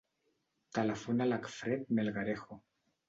Telefona a l'Acfred Melgarejo.